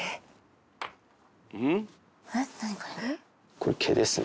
これ、毛ですね。